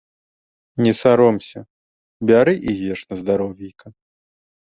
Не саромся, бяры і еш на здаровейка!